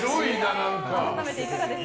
改めていかがですか？